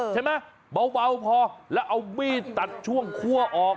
ใช่ไหมเบาพอแล้วเอามีดตัดช่วงคั่วออก